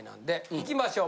いきましょう